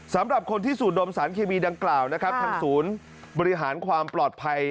สำหรับคนที่สูดดมสารเคมีดังกล่าวนะครับทางศูนย์บริหารความปลอดภัย